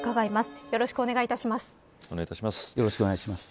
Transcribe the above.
よろしくお願いします。